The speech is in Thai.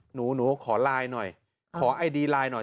หนูหนูขอไลน์หน่อยขอไอดีไลน์หน่อย